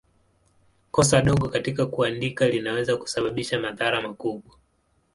Kosa dogo katika kuandika linaweza kusababisha madhara makubwa.